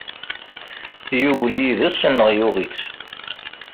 Yuwel yid-s neɣ yuɣ-itt.